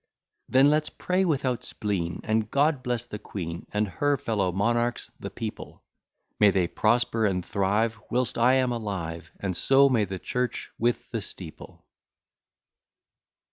Then let's pray without spleen, May God bless the queen, And her fellow monarchs the people; May they prosper and thrive, Whilst I am alive, And so may the church with the steeple.